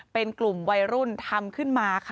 เป็นกลุ่มวัยรุ่นทำขึ้นมาค่ะ